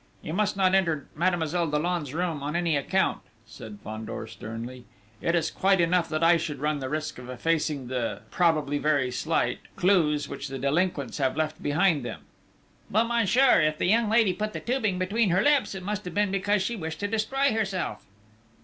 "You must not enter Mademoiselle Dollon's room on any account!" said Fandor sternly. "It is quite enough that I should run the risk of effacing the, probably very slight, clues which the delinquents have left behind them...." "But, monsieur, if the young lady put the tubing between her lips, it must have been because she wished to destroy herself!"